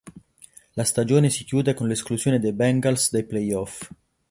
La stagione si chiude con l’esclusione dei Bengals dai Play-off.